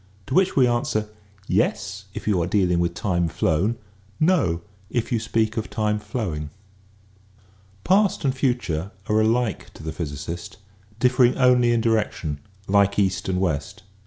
To which we answer : Yes, if you are deal ing with time flown; No, if you speak of time flowing.* Past and future are alike to the physicist, differing only in direction, like east and west.